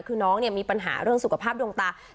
คือน้องเนี่ยมีปัญหาเรื่องสุขภาพดวงตา